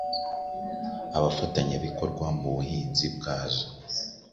abafatanyabikorwa mu buhinzi bwazo.